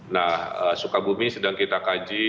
nah sukabumi sedang kita kaji